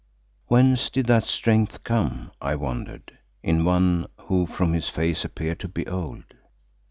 Whence did that strength come, I wondered, in one who from his face appeared to be old?